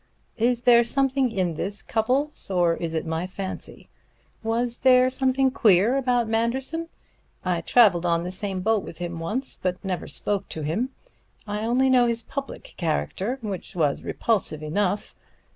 Is there something in this, Cupples, or is it my fancy? Was there something queer about Manderson? I traveled on the same boat with him once, but never spoke to him. I only know his public character, which was repulsive enough.